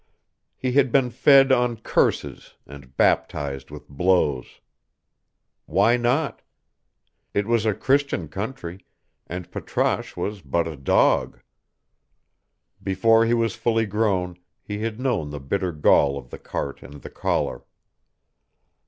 He had been fed on curses and baptized with blows. Why not? It was a Christian country, and Patrasche was but a dog. Before he was fully grown he had known the bitter gall of the cart and the collar.